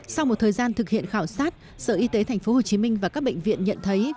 sau một thời gian thực hiện khảo sát sở y tế tp hcm và các bệnh viện nhận thấy